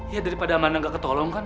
ya daripada amanda gak ketolong kan